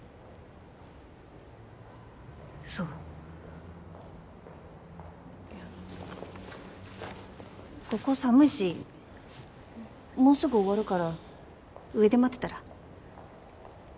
そうここ寒いしもうすぐ終わるから上で待ってたら？